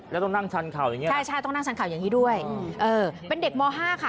แล้วต้องนั่งชันเคราะห์อย่างนี้ครับใช่ต้องนั่งแบบนี้ด้วยเป็นเด็กมศ๕ค่ะ